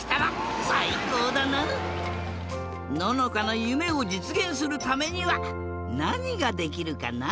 ののかのゆめをじつげんするためにはなにができるかな？